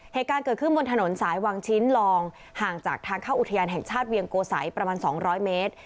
เหตุการณ์เกิดขึ้นบนถนนสายวังชิ้นลองห่างจากทางเข้าอุทยานแห่งชาติเวียงโกสัยประมาณ๒๐๐เมตร